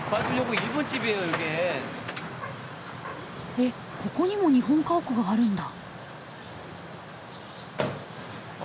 えっここにも日本家屋があるんだ。